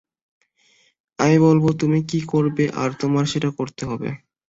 আমি বলবো তুমি কি করবে, আর তোমার সেটা করতে হবে।